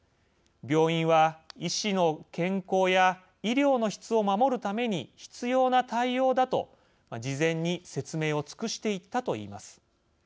病院は、医師の健康や医療の質を守るために必要な対応だと事前に説明を尽くしていったといいます。